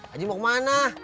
aduh mau ke mana